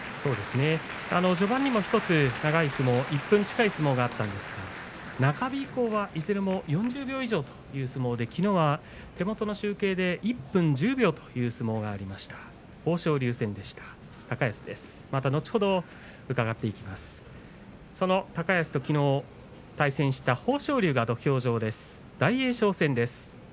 序盤にも１つ１分近い相撲があったんですが中日以降はいずれも４０秒以上という相撲で、きのうは１分１０秒という相撲がありました。